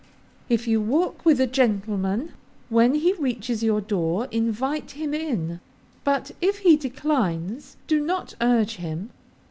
If you walk with a gentleman, when he reaches your door invite him in, but if he declines, do not urge him.